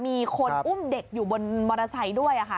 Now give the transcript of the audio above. มีคนอุ้มเด็กอยู่บนมอเตอร์ไซค์ด้วยค่ะ